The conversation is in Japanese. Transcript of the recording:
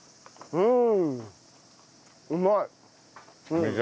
うん。